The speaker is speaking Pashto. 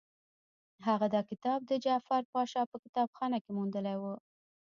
هغه دا کتاب د جعفر پاشا په کتابخانه کې موندلی وو.